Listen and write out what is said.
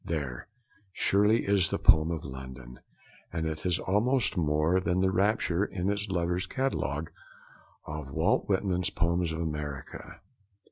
There, surely, is the poem of London, and it has almost more than the rapture, in its lover's catalogue, of Walt Whitman's poems of America.